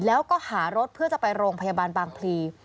แล้วก็หารถเพื่อจะไปโรงพยาบาลบางพลี